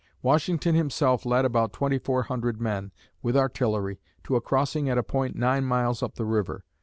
Washington himself led about twenty four hundred men, with artillery, to a crossing at a point nine miles up the river.